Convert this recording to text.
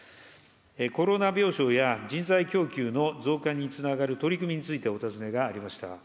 コロナ病床や人材供給の増加につながる取り組みについてお尋ねがありました。